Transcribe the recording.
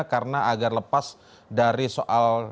karena agar lepas dari soal